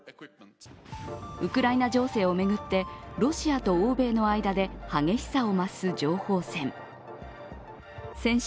ウクライナ情勢を巡ってロシアと欧米の間で激しさを増す情報戦。